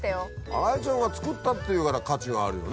新井ちゃんが作ったっていうから価値があるよね。